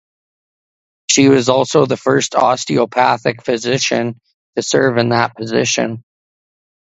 She was also the first osteopathic physician to serve in that position.